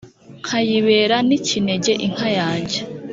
Nkayibera n'ikinege inka yanjye